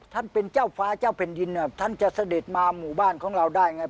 ท่านเป็นเจ้าฟ้าเจ้าแผ่นดินท่านจะเสด็จมาหมู่บ้านของเราได้ไง